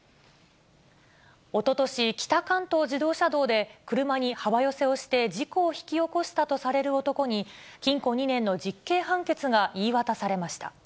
おととし、北関東自動車道で車に幅寄せをして事故を引き起こしたとされる男に、禁固２年の実刑判決が言い渡されました。